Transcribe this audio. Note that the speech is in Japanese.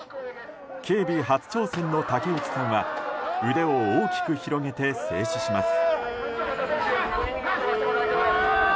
警備初挑戦の竹内さんは腕を大きく広げて制止します。